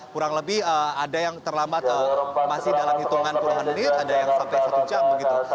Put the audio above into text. kurang lebih ada yang terlambat masih dalam hitungan puluhan menit ada yang sampai satu jam begitu